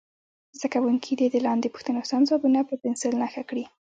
زده کوونکي دې د لاندې پوښتنو سم ځوابونه په پنسل نښه کړي.